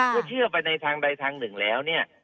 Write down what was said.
ก็เชื่อไปในทางใดทางหนึ่งแล้ว